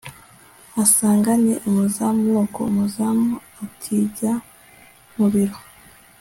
asanga ni umuzamu nuko umuzamu atijya mubiro